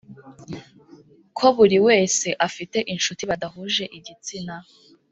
Ko buri wese afite incuti badahuje igitsina